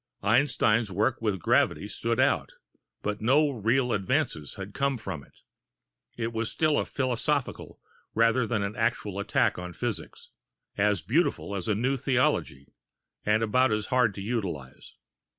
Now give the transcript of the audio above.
Einstein's work with gravity stood out, but no real advances had come from it. It was still a philosophical rather than an actual attack on physics as beautiful as a new theology, and about as hard to utilize.